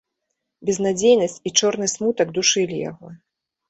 Безнадзейнасць і чорны смутак душылі яго.